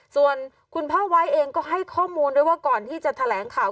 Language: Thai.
ส่วนคุณพ่อไว้เองก็ให้ข้อมูลด้วยว่าก่อนที่จะแถลงข่าว